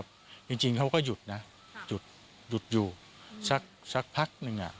จริงจริงเขาก็หยุดนะหยุดอยู่สักสักพักหนึ่งอ่ะ